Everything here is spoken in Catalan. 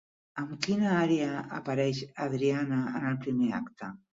Amb quina ària apareix Adriana en el primer acte?